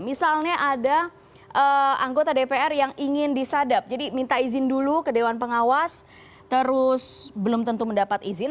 misalnya ada anggota dpr yang ingin disadap jadi minta izin dulu ke dewan pengawas terus belum tentu mendapat izin